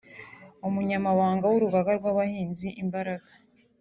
umunyamabanga w’urugaga rw’abahinzi “Imbaraga”